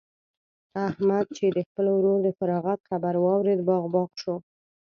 احمد چې د خپل ورور د فراغت خبر واورېد؛ باغ باغ شو.